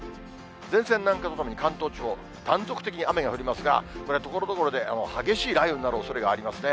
前線南下に伴って関東地方、断続的に雨が降りますが、これ、ところどころで激しい雷雨になるおそれがありますね。